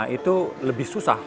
itu lebih susah